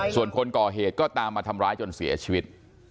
ส่วนคนก่อเหตุก็ตามมาทำร้ายจนเสียชีวิต